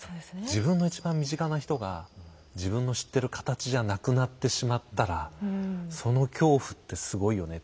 自分の一番身近な人が自分の知ってる形じゃなくなってしまったらその恐怖ってすごいよね。